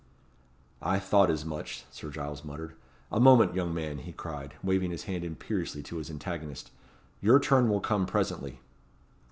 "I thought as much," Sir Giles muttered. "A moment, young man," he cried, waving his hand imperiously to his antagonist. "Your turn will come presently."